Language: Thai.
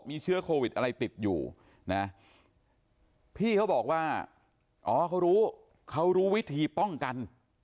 มีเชื้อโควิดอะไรติดอยู่นะพี่เขาบอกว่าอ๋อเขารู้เขารู้วิธีป้องกัน